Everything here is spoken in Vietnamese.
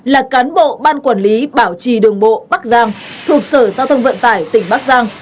là cán bộ ban quản lý bảo trì đường bộ bắc giang thuộc sở giao thông vận tải tỉnh bắc giang